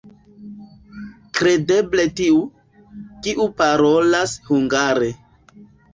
Kredeble tiu, kiu parolas hungare.